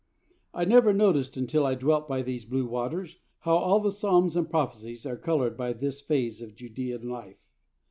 I never noticed until I dwelt by these blue waters how all the Psalms and prophecies are coloured by this phase of Judean life.